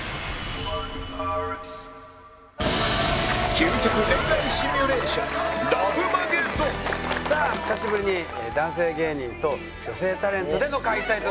究極恋愛シミュレーションラブマゲドンさあ久しぶりに男性芸人と女性タレントでの開催となっております。